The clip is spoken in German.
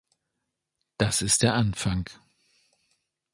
Das ist der Anfang.